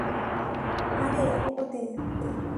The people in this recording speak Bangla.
আরে, ওকে শো দে।